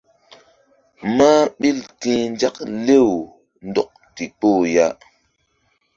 Mah ɓil ti̧h nzak lew ndɔk ndikpoh ya.